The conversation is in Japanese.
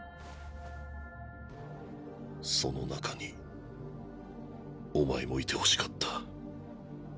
その中におまえもいてほしかった。